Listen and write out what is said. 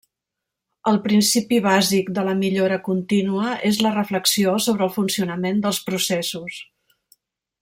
El principi bàsic de la millora contínua és la reflexió sobre el funcionament dels processos.